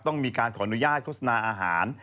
ต้องมีการขออนุญาตโฆษณาอาหาร